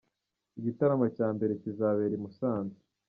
Igitaramo cya mbere kizabera i Musanze.